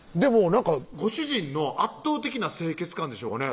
なんかご主人の圧倒的な清潔感でしょうかね